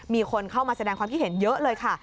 มีคนเข้ามาแสดงความคิดเห็นเยอะเลยค่ะ